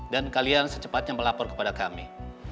dan kalian secepatnya melapor kepada kami